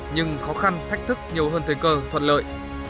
nhưng khó khăn thách thức nhiều hơn thời cơ thuận lợi